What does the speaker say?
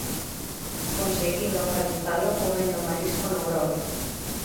Conseguín localizalo comendo marisco no Grove.